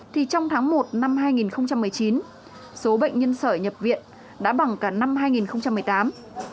thì trong tháng một năm hai nghìn một mươi chín số bệnh nhân sở nhập viện đã bằng cả năm hai nghìn một mươi tám